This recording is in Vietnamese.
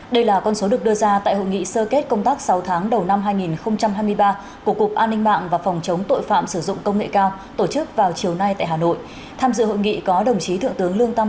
trong sáu tháng cuối năm lực lượng thanh tra bộ công an phải linh hoạt sáng tạo